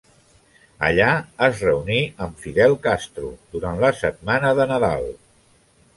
Allà es reuní amb Fidel Castro durant la setmana de Nadal.